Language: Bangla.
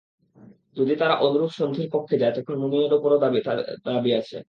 যদি তারা অনুরূপ সন্ধির পক্ষে যায়, তখন মুমিনের ওপরও তাদের দাবি আছে।